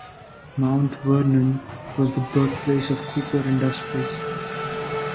Mount Vernon was the birthplace of Cooper Industries.